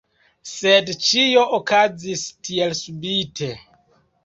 Sed ĉio okazis tielsubite.